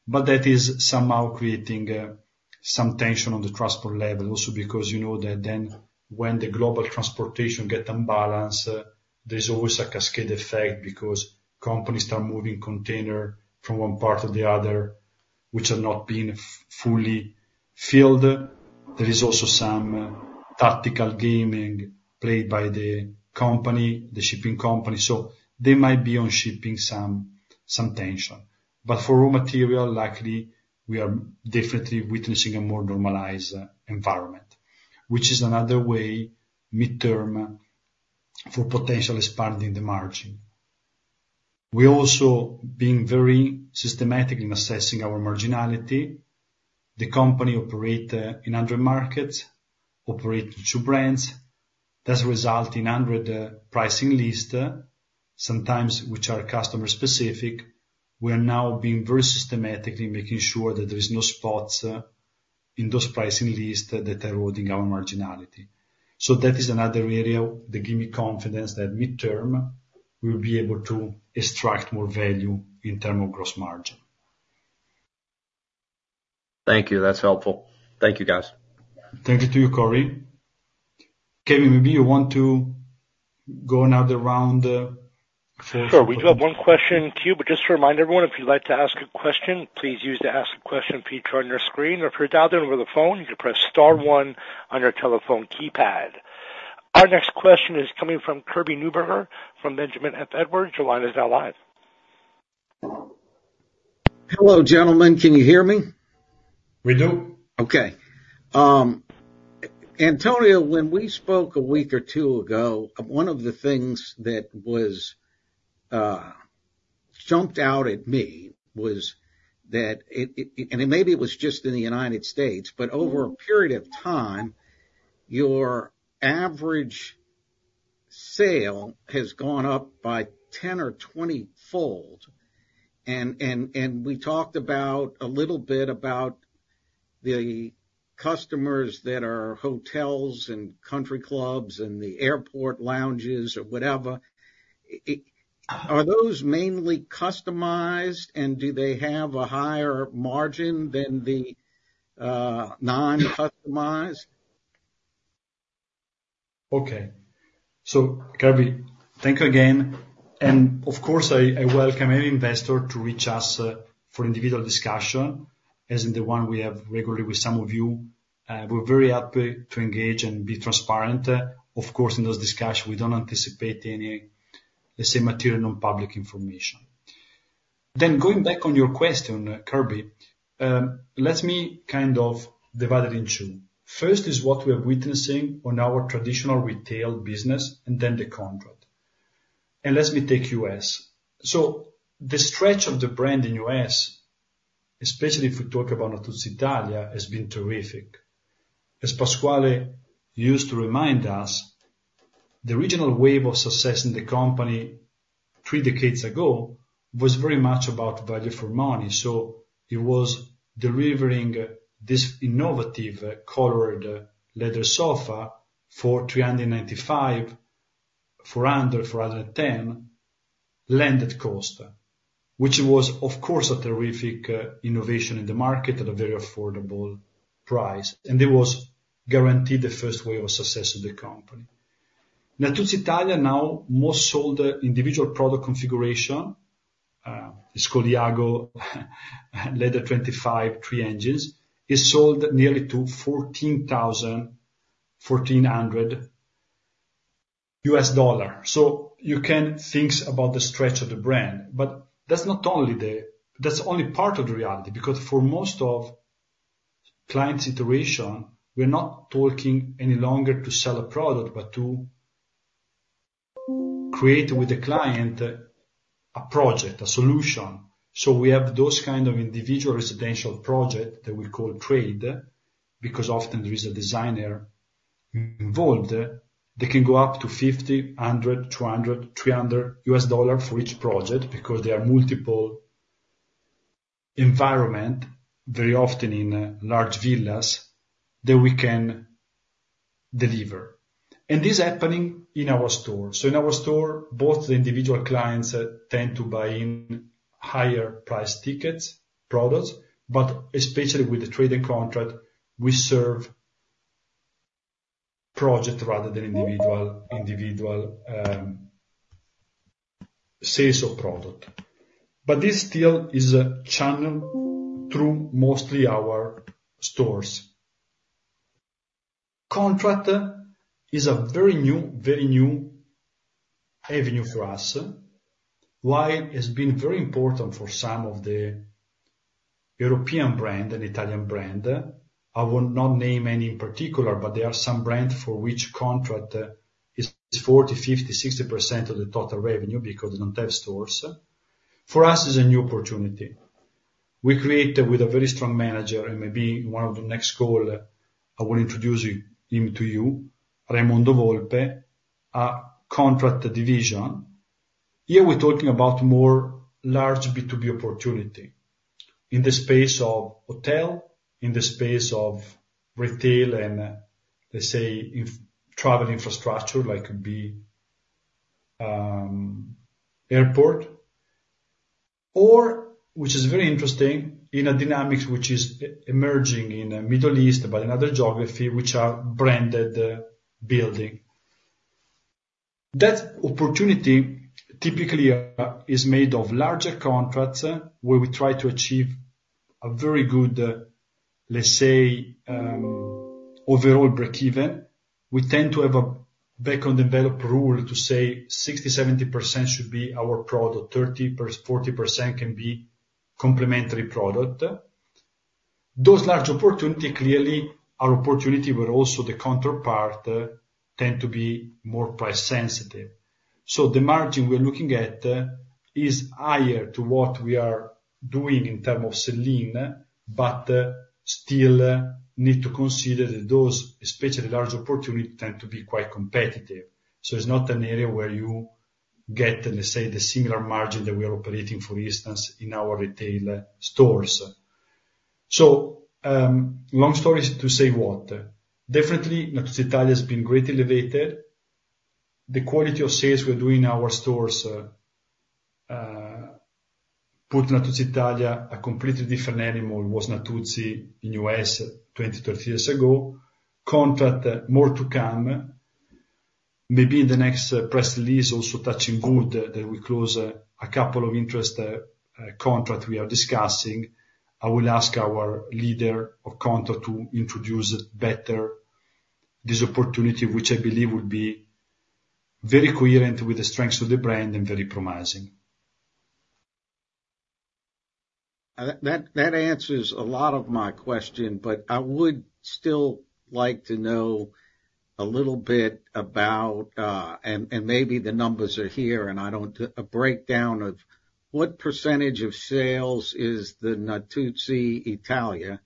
But that is somehow creating some tension on the transport level also because you know that then when the global transportation gets unbalanced, there's always a cascade effect because companies start moving containers from one part to the other, which are not being fully filled. There is also some tactical gaming played by the company, the shipping company. So they might be on shipping some tension. But for raw material, likely, we are definitely witnessing a more normalized environment, which is another way, mid-term, for potentially expanding the margin. We're also being very systematic in assessing our marginality. The company operates in 100 markets, operates in two brands. That's resulting in 100 pricing lists, some of which are customer-specific. We are now being very systematic in making sure that there are no spots in those pricing lists that are eroding our marginality. So that is another area that gives me confidence that mid-term, we'll be able to extract more value in terms of gross margin. Thank you. That's helpful. Thank you, guys. Thank you to you, Cory. Kevin, maybe you want to go another round for sure. We do have one question to you. But just to remind everyone, if you'd like to ask a question, please use the Ask a Question feature on your screen. Or if you're down there over the phone, you can press Star 1 on your telephone keypad. Our next question is coming from Kirby Newburger from Benjamin F. Edwards. Your line is now live. Hello, gentlemen. Can you hear me? We do. Okay. Antonio, when we spoke a week or two ago, one of the things that jumped out at me was that—and maybe it was just in the United States—but over a period of time, your average sale has gone up by 10- or 20-fold. And we talked a little bit about the customers that are hotels and country clubs and the airport lounges or whatever. Are those mainly customized, and do they have a higher margin than the non-customized? Okay. So, Kirby, thank you again. Of course, I welcome any investor to reach us for individual discussion, as in the one we have regularly with some of you. We're very happy to engage and be transparent. Of course, in those discussions, we don't anticipate any, let's say, material non-public information. Then going back on your question, Kirby, let me kind of divide it in two. First is what we are witnessing on our traditional retail business and then the contract. Let me take U.S. So the stretch of the brand in U.S., especially if we talk about Natuzzi Italia, has been terrific. As Pasquale used to remind us, the regional wave of success in the company three decades ago was very much about value for money. So it was delivering this innovative colored leather sofa for $395-$410 landed cost, which was, of course, a terrific innovation in the market at a very affordable price. And it was guaranteed the first wave of success of the company. Natuzzi Italia now most sold individual product configuration. It's called Iago Leather 25, three engines. It's sold nearly to $1,400 USD. So you can think about the stretch of the brand. But that's not only the—that's only part of the reality because for most of clients' situation, we're not talking any longer to sell a product but to create with the client a project, a solution. So we have those kinds of individual residential projects that we call trade because often there is a designer involved. They can go up to $50, $100, $200, $300 for each project because there are multiple environments, very often in large villas, that we can deliver. And this is happening in our store. So in our store, both the individual clients tend to buy in higher-priced tickets, products, but especially with the trade and contract, we serve projects rather than individual sales of product. But this still is a channel through mostly our stores. Contract is a very new, very new avenue for us. While it has been very important for some of the European brands and Italian brands, I will not name any in particular, but there are some brands for which contract is 40%, 50%, 60% of the total revenue because they don't have stores, for us, it's a new opportunity. We created with a very strong manager, and maybe one of the next call, I will introduce him to you, Raimondo Volpe, a contract division. Here we're talking about more large B2B opportunity in the space of hotel, in the space of retail, and let's say travel infrastructure like could be airport, or which is very interesting in a dynamic which is emerging in the Middle East, but in other geographies, which are branded building. That opportunity typically is made of larger contracts where we try to achieve a very good, let's say, overall break-even. We tend to have a back-on-develop rule to say 60%-70% should be our product. 30%-40% can be complementary product. Those large opportunities clearly are opportunities, but also the counterpart tend to be more price-sensitive. So the margin we're looking at is higher to what we are doing in terms of selling, but still need to consider that those, especially large opportunities, tend to be quite competitive. So it's not an area where you get, let's say, the similar margin that we are operating, for instance, in our retail stores. So long story to say what? Definitely, Natuzzi Italia has been greatly elevated. The quality of sales we're doing in our stores put Natuzzi Italia a completely different animal. It was Natuzzi in U.S. 20, 30 years ago. Contract, more to come. Maybe in the next press release, also touching good that we close a couple of interest contracts we are discussing. I will ask our leader of Contract to introduce better this opportunity, which I believe will be very coherent with the strengths of the brand and very promising. That answers a lot of my question, but I would still like to know a little bit about, and maybe the numbers are here, and I don't, a breakdown of what percentage of sales is the Natuzzi Italia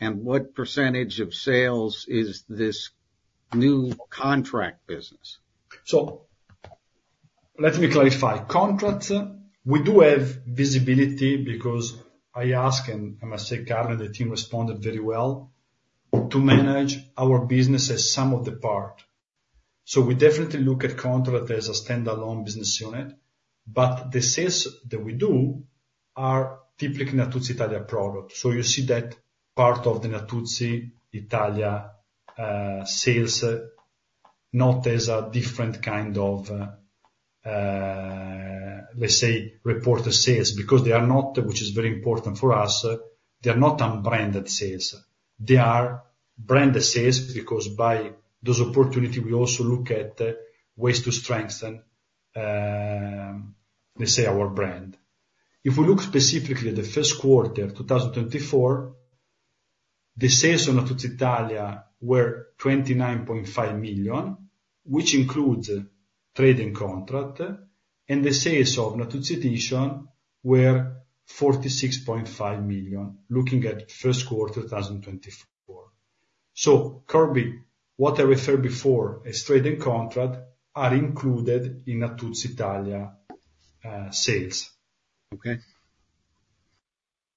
and what percentage of sales is this new contract business. So let me clarify. Contract, we do have visibility because I asked, and I must say, Carlo and the team responded very well, to manage our business as some of the part. So we definitely look at contract as a standalone business unit, but the sales that we do are typically Natuzzi Italia product. So you see that part of the Natuzzi Italia sales not as a different kind of, let's say, reported sales because they are not, which is very important for us, they are not unbranded sales. They are branded sales because by those opportunities, we also look at ways to strengthen, let's say, our brand. If we look specifically at the first quarter 2024, the sales of Natuzzi Italia were 29.5 million, which includes trade and contract. And the sales of Natuzzi Editions were 46.5 million, looking at first quarter 2024. So, Kirby, what I referred before as trade and contract are included in Natuzzi Italia sales. Okay.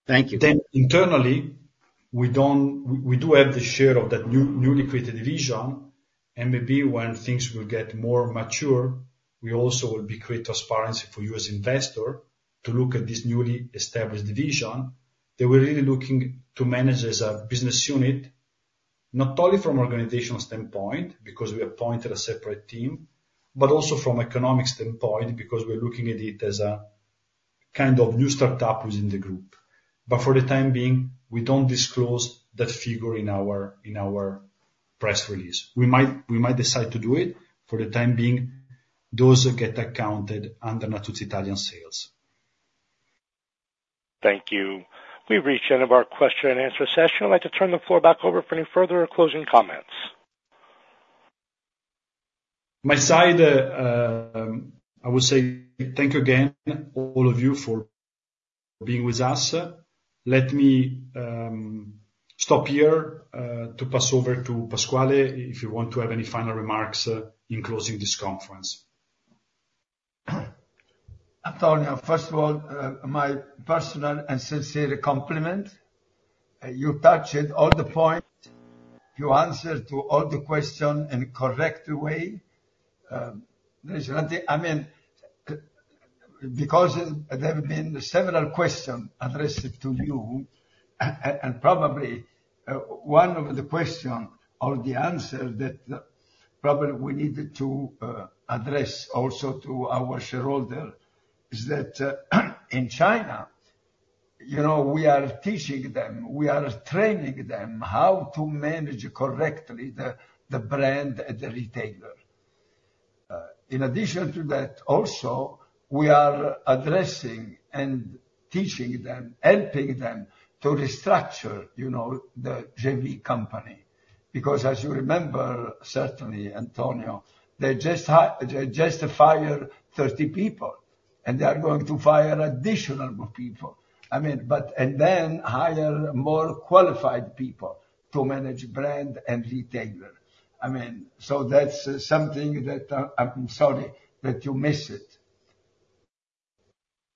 Thank you. Then internally, we do have the share of that newly created division. And maybe when things will get more mature, we also will be creating transparency for you as an investor to look at this newly established division. They were really looking to manage as a business unit, not only from an organizational standpoint because we appointed a separate team, but also from an economic standpoint because we're looking at it as a kind of new startup within the group. But for the time being, we don't disclose that figure in our press release. We might decide to do it. For the time being, those get accounted under Natuzzi Italia sales. Thank you. We've reached the end of our question and answer session. I'd like to turn the floor back over for any further closing comments. My side, I will say thank you again, all of you, for being with us. Let me stop here to pass over to Pasquale if you want to have any final remarks in closing this conference. Antonio, first of all, my personal and sincere compliment. You touched all the points. You answered to all the questions in a correct way. I mean, because there have been several questions addressed to you, and probably one of the questions or the answers that probably we needed to address also to our shareholders is that in China, we are teaching them, we are training them how to manage correctly the brand at the retailer. In addition to that, also, we are addressing and teaching them, helping them to restructure the JV company. Because as you remember, certainly, Antonio, they just fired 30 people, and they are going to fire additional people. I mean, and then hire more qualified people to manage brand and retailer. I mean, so that's something that I'm sorry that you miss it.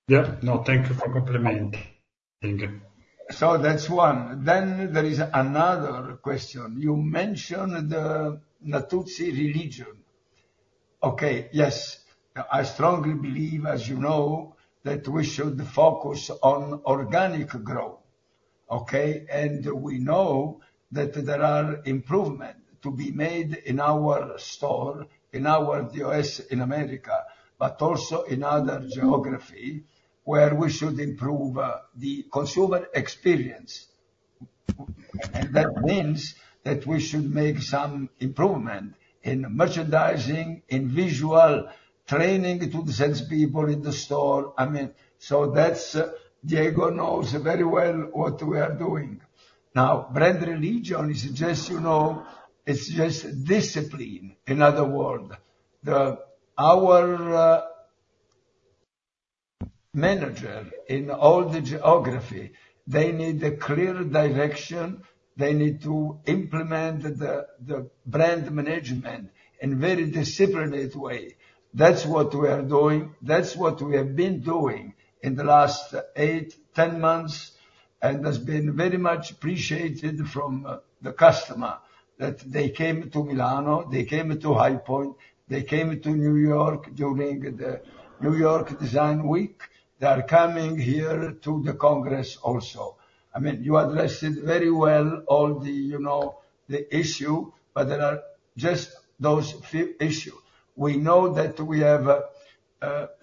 Yeah. No, thank you for complimenting. So that's one. Then there is another question. You mentioned Natuzzi's region. Okay. Yes. I strongly believe, as you know, that we should focus on organic growth. Okay? We know that there are improvements to be made in our store, in our U.S., in America, but also in other geographies where we should improve the consumer experience. That means that we should make some improvements in merchandising, in visual training to the salespeople in the store. I mean, so Diego knows very well what we are doing. Now, brand religion is just, it's just discipline, in other words. Our manager in all the geographies, they need a clear direction. They need to implement the brand management in a very disciplined way. That's what we are doing. That's what we have been doing in the last 8-10 months, and has been very much appreciated from the customer that they came to Milan, they came to High Point, they came to New York during the New York Design Week. They are coming here to the Congress also. I mean, you addressed it very well, all the issues, but there are just those few issues. We know that we have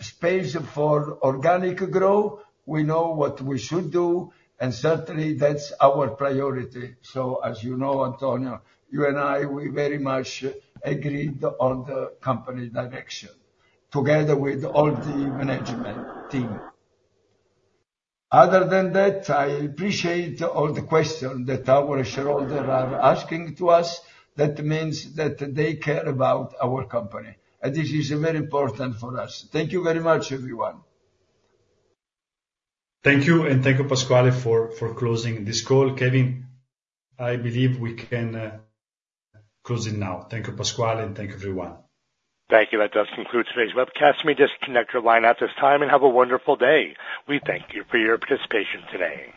space for organic growth. We know what we should do, and certainly that's our priority. So as you know, Antonio, you and I, we very much agreed on the company direction together with all the management team. Other than that, I appreciate all the questions that our shareholders are asking to us. That means that they care about our company. This is very important for us. Thank you very much, everyone. Thank you.
Thank you, Pasquale, for closing this call. Kevin, I believe we can close it now. Thank you, Pasquale, and thank you, everyone. Thank you. That does conclude today's webcast. Let me just connect your line at this time and have a wonderful day. We thank you for your participation today.